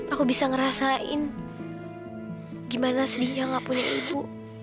aku bisa ngerasain gimana sedihnya gak punya ibu